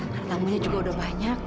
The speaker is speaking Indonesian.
karena tamunya juga udah banyak